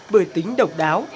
bởi tính độc đáo